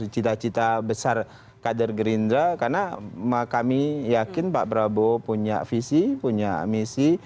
cita cita besar kader gerindra karena kami yakin pak prabowo punya visi punya misi